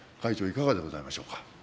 いかがでございましょうか。